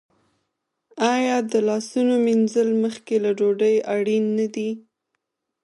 آیا د لاسونو مینځل مخکې له ډوډۍ اړین نه دي؟